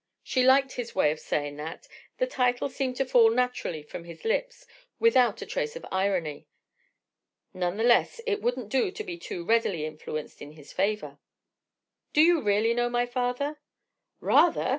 She liked his way of saying that; the title seemed to fall naturally from his lips, without a trace of irony. None the less, it wouldn't do to be too readily influenced in his favour. "Do you really know my father?" "Rather!"